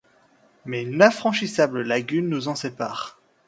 Mais une infranchissable lagune nous en sépare.